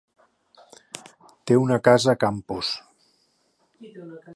Té una casa a Campos.